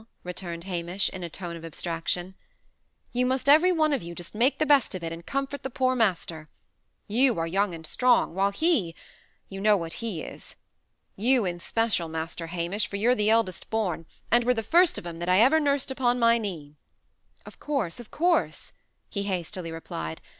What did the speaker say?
returned Hamish, in a tone of abstraction. "You must every one of you just make the best of it, and comfort the poor master. You are young and strong; while he you know what he is. You, in special, Master Hamish, for you're the eldest born, and were the first of 'em that I ever nursed upon my knee." "Of course of course," he hastily replied.